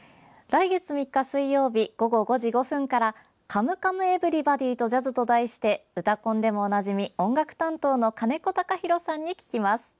来月３日、水曜午後５時５分から「カムカムエヴリバディとジャズ！」と題して「うたコン」でもおなじみ音楽担当の金子隆博さんに聞きます。